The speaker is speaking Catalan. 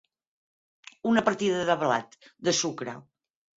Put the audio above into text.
Una partida de blat, de sucre.